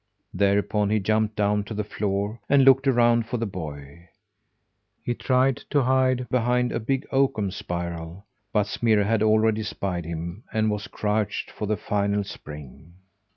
Thereupon he jumped down to the floor, and looked around for the boy. He tried to hide behind a big oakum spiral, but Smirre had already spied him, and was crouched for the final spring.